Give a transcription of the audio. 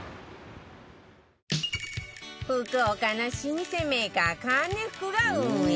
福岡の老舗メーカーかねふくが運営